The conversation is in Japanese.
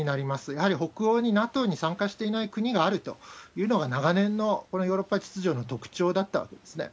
やはり北欧にＮＡＴＯに参加していない国があるというのが、長年のこのヨーロッパ秩序の特徴だったわけですね。